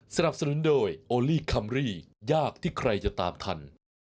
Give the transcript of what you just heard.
สนับสนุนโดยโอลี่คัมรี่ยากที่ใครจะตามทัน